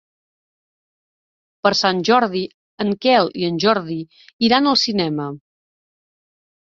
Per Sant Jordi en Quel i en Jordi iran al cinema.